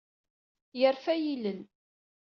Yerfa yilel.